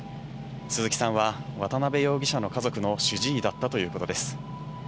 鈴木さんは、渡辺容疑者の家族の主治医だったということです。